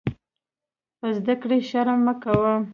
په زده کړه شرم مه کوۀ.